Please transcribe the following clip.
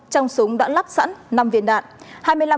trong súng đã lắp sẵn năm viên đạn